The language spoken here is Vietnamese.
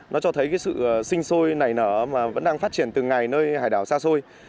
nó cho thấy sự sinh sôi nảy nở vẫn đang phát triển từ ngày nơi hải đảo xa xôi